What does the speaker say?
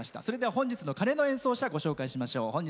本日の鐘の演奏者ご紹介しましょう。